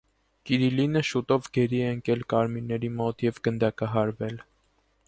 Կիրիլինը շուտով գերի է ընկել կարմիրների մոտ և գնդակահարվել։